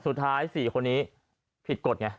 สุดท้าย๔คนนี้ผิดกฎไง